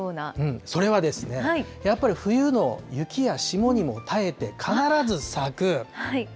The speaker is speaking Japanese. それはですね、やっぱり冬の雪や霜にも耐えて、必ず咲く。